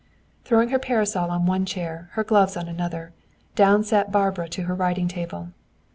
Throwing her parasol on one chair, her gloves on another, down sat Barbara to her writing table.